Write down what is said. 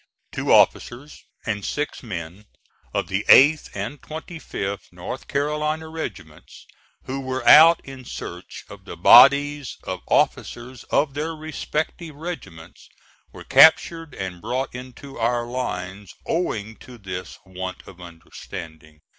Two officers and six men of the 8th and 25th North Carolina Regts., who were out in search of the bodies of officers of their respective regiments, were captured and brought into our lines, owing to this want of understanding.